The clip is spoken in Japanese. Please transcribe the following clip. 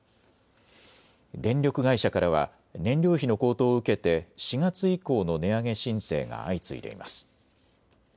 電力会社からは燃料費の高騰を受けて４月以降の値上げ申請が相次いでいます。